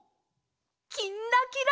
「きんらきら」。